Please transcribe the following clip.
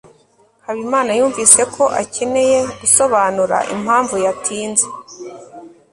habimana yumvise ko akeneye gusobanura impamvu yatinze